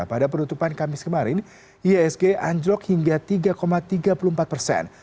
pada penutupan kamis kemarin iasg anjlok hingga tiga tiga puluh empat persen